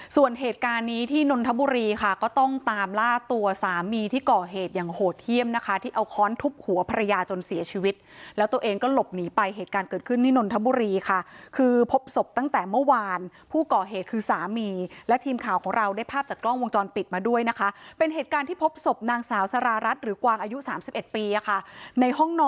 ส่วนเหตุการณ์นี้ที่นนทบุรีค่ะก็ต้องตามล่าตัวสามีที่ก่อเหตุอย่างโหดเยี่ยมนะคะที่เอาค้อนทุบหัวภรรยาจนเสียชีวิตแล้วตัวเองก็หลบหนีไปเหตุการณ์เกิดขึ้นที่นนทบุรีค่ะคือพบศพตั้งแต่เมื่อวานผู้ก่อเหตุคือสามีและทีมข่าวของเราได้ภาพจากกล้องวงจรปิดมาด้วยนะคะเป็นเหตุการณ์ที่พบศพนางสาวสารารัฐหรือกวางอายุ๓๑ปีในห้องน